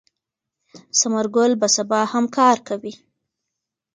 ثمر ګل به سبا هم کار کوي.